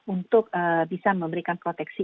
untuk bisa memberikan proteksi